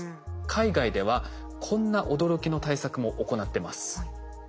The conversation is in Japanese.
海外ではこんな驚きの対策も行ってます。